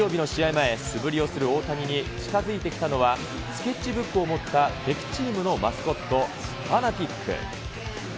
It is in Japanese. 前、素振りをする大谷に近づいてきたのは、スケッチブックを持った敵チームのマスコット、ファナティック。